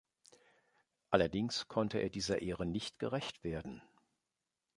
Allerdings konnte er dieser Ehre nicht gerecht werden.